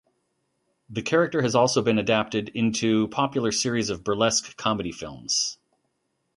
The character has also been adapted into a popular series of burlesque comedy films.